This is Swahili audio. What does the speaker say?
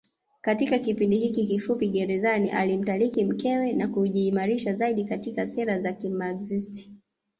Katika kipindi hiki kifupi gerezani alimtaliki mkewe na kujiimarisha zaidi katika sera za kimaxist